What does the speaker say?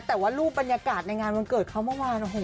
แต่ว่ารูปบรรยากาศในงานวันเกิดเขาเมื่อวานโอ้โห